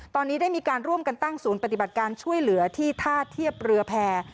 ตอนนี้ได้มีการร่วมกันตั้งศูนย์ปฏิบัติการช่วยเหลือที่ท่าเทียบเรือแพร่